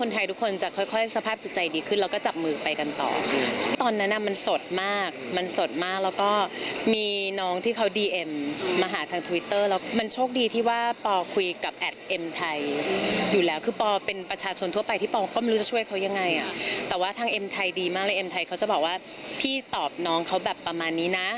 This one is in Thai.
เต็มไทยเขาจะบอกว่าพี่ตอบน้องเขาแบบประมาณนี้นะ